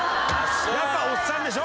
やっぱおっさんでしょ？